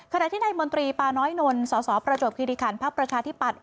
ขณะที่ในมนตรีปาน้อยนุลสประจบคิดิคันภักดิ์ประชาธิปัตย์